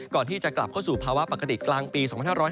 ก่อนที่จะกลับเข้าสู่ภาวะปกติกลางปี๒๕๕๙